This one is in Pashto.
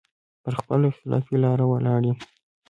پر خپله اختلافي لاره ولاړ يم.